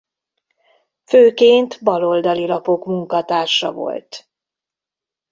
Főként baloldali lapok munkatársa volt.